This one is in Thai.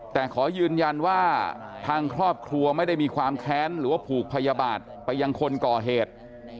แต่ขอยืนยันว่าทางครอบครัวไม่ได้มีความแค้นหรือว่าผูกพยาบาทไปยังคนก่อเหตุ